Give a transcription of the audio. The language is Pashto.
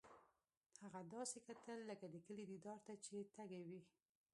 هغه داسې کتل لکه د کلي دیدار ته چې تږی وي